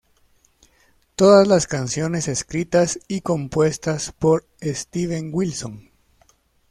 Todas las canciones escritas y compuestas por Steven Wilson.